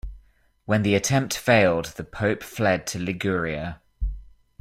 When the attempt failed the Pope fled to Liguria.